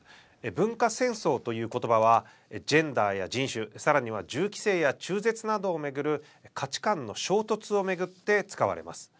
文化戦争という言葉はジェンダーや人種さらには銃規制や中絶などを巡る価値観の衝突を巡って使われます。